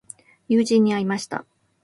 友人に会いました。